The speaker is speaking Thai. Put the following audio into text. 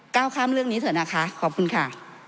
ก้าวข้ามเรื่องนี้เถอะนะคะขอบคุณค่ะ